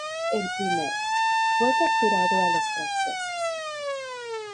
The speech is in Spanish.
El primero, fue capturado a los franceses.